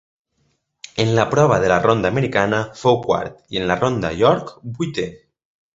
En la prova de la ronda americana fou quart i en la ronda York vuitè.